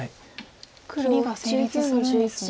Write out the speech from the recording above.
切りが成立するんですね。